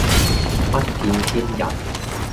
不見天日